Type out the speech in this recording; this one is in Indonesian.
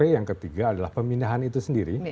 yang ketiga adalah pemindahan itu sendiri